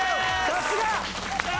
さすが！